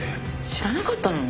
知らなかったの？